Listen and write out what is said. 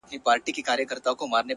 • د حاكم له لاسه مېنه سپېره كېږي ,